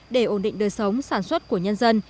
để ổn định đời sống sản xuất của nhân dân